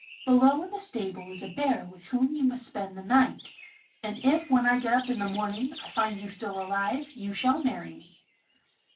Below in the stable is a bear with whom you must spend the night, and if when I get up in the morning I find you still alive you shall marry me.